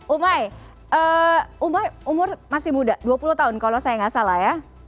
umai umai umur masih muda dua puluh tahun kalau saya nggak salah ya